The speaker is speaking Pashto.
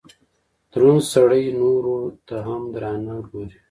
دروند سړئ نورو ته هم درانه ګوري